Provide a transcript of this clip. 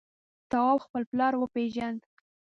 تواب خپل پلار وپېژند.